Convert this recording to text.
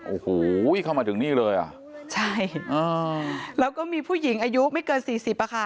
โอ้โหเข้ามาถึงนี่เลยอ่ะใช่อ่าแล้วก็มีผู้หญิงอายุไม่เกินสี่สิบอ่ะค่ะ